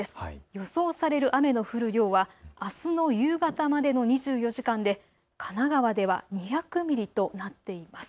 予想される雨の量はあすの夕方までの２４時間で神奈川では２００ミリとなっています。